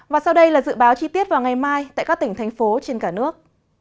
và sau đây là dự báo chi tiết vào ngày mai tại các tỉnh thành phố trên cả nước